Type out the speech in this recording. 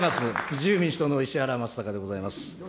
自由民主党の石原正敬でございます。